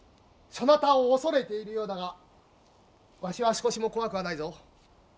そなたを恐れているようだがわしは少しも怖くはないぞ。